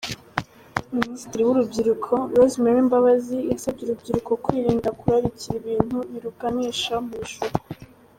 Minisitiri w’Urubyiruko, Rosemary Mbabazi, yasabye urubyiruko kwirinda kurarikura ibintu biruganisha mu bishuko.